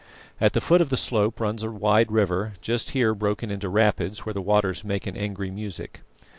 At the foot of the slope runs a wide river, just here broken into rapids where the waters make an angry music.